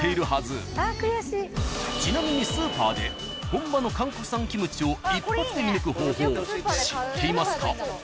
［ちなみにスーパーで本場の韓国産キムチを一発で見抜く方法知っていますか？］